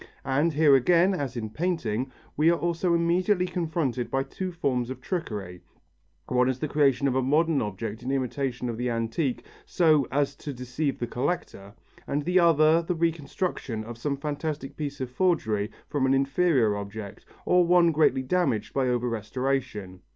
And here again, as in painting, we are also immediately confronted by two forms of trickery; one is the creation of a modern object in imitation of the antique so as to deceive the collector, and the other the reconstruction of some fantastic piece of forgery from an inferior object, or one greatly damaged by over restoration.